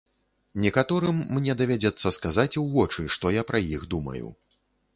Некаторым мне давядзецца сказаць у вочы, што я пра іх думаю.